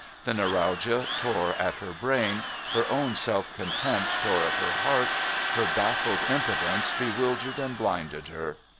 The neuralgia tore at her brain, her own self contempt tore at her heart, her baffled impotence bewildered and blinded her.